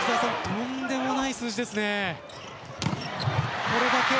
とんでもない数字ですね。